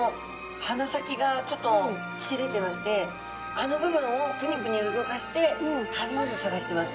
鼻先がちょっとつき出てましてあの部分をプニプニ動かして食べ物を探してます。